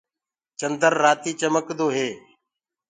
چندر رآتي چمڪدو هي۔